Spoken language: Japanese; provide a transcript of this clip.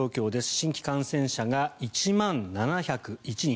新規感染者が１万７０１人。